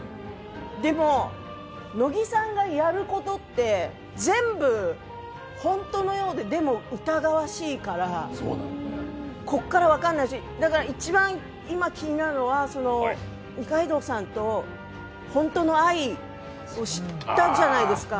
でも、乃木さんがやることって全部本当のようで、でも疑わしいからこっから分かんないし、だから今一番気になるのは二階堂さんと本当の愛を知ったじゃないですか。